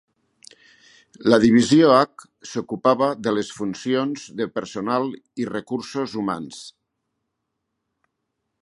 La Divisió H s'ocupava de les funcions de personal i recursos humans.